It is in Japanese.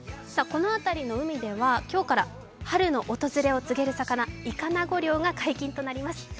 この辺りの海では今日から春の訪れを告げる魚、いかなご漁が解禁となります。